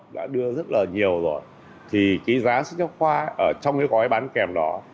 đã đưa rất là nhiều rồi thì cái giá sách giáo khoa ở trong cái gói bán kèm đó